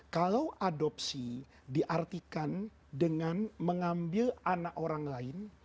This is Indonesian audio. kalau adopsi diartikan dengan mengambil anak orang lain